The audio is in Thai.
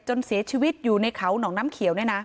จนเสียชีวิตอยู่ในเขาหนองน้ำเขียวเนี่ยนะ